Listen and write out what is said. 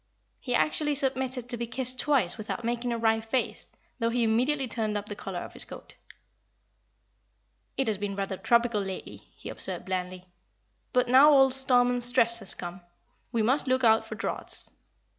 He actually submitted to be kissed twice without making a wry face, though he immediately turned up the collar of his coat. "It has been rather tropical lately," he observed, blandly, "but now old 'Storm and Stress' has come, we must look out for draughts."